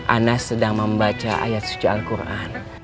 anas sedang membaca ayat suci al quran